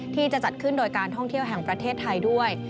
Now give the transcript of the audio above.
ที่จะจัดขึ้นโดยการท่องเที่ยวแห่งประเทศไทยด้วย